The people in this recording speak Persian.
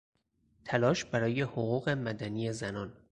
تلاش برای حقوق مدنی زنان